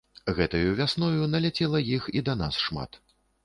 Гэтаю вясною наляцела іх да нас шмат.